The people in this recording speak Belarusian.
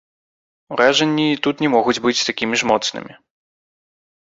Уражанні тут не могуць быць такімі ж моцнымі.